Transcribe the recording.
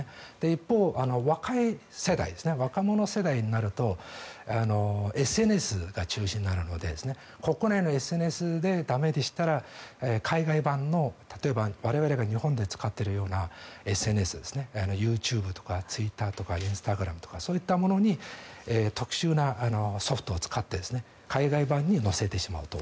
一方、若い世代ですね若者世代になるとＳＮＳが中心になるので国内のＳＮＳで駄目でしたら海外版の例えば、我々が日本で使っているようなＳＮＳですねＹｏｕＴｕｂｅとかツイッターとかインスタグラムとかそういったものに特殊なソフトを使って海外版に乗せてしまうと。